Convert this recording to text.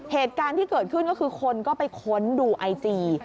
เหตุการณ์ที่เกิดขึ้นก็คือคนก็ไปค้นดูไอจี